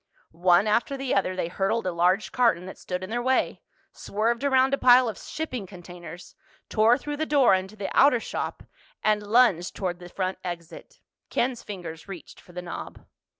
One after the other they hurdled a large carton that stood in their way, swerved around a pile of shipping containers, tore through the door into the outer shop, and lunged toward the front exit. Ken's fingers reached for the knob.